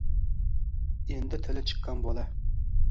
endi tili chiqqan bola